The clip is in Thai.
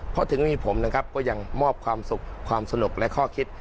เพราะถึงมีผมนะครับก็ยังมอบความสุขความสนุกและข้อคิด